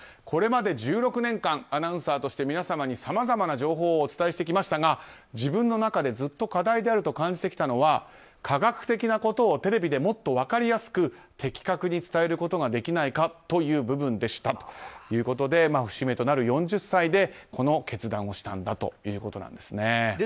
これまで１６年間アナウンサーとして皆様にさまざまな情報をお伝えしてきましたが自分の中でずっと課題であると感じてきたのは科学的なことをテレビでもっと分かりやすく的確に伝えることができないかという部分でしたということで節目となる４０歳でこの決断をしたということです。